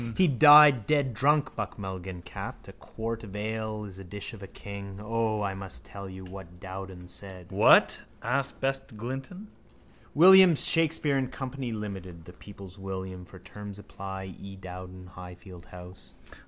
—He died dead drunk, Buck Mulligan capped. A quart of ale is a dish for a king. O, I must tell you what Dowden said! —What? asked Besteglinton. William Shakespeare and company, limited. The people's William. For terms apply: E. Dowden, Highfield house...